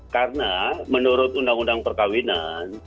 karena menurut undang undang perkawinan